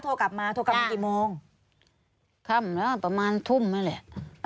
โทรกลับมาโทรกลับมากี่โมงค่ำแล้วประมาณทุ่มนั่นแหละ